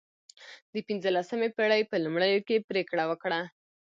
د پنځلسمې پېړۍ په لومړیو کې پرېکړه وکړه.